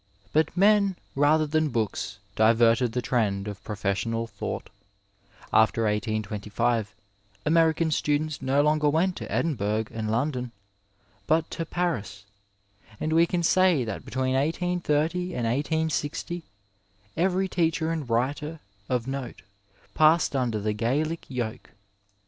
But men rather than books diverted the trend of professional thought. After 1825, American students no longer went to Edinburgh and Lon don, but to Paris, and we can say that between 1830 and 1860, every teacher and writer of note passed under the Gallic yoke.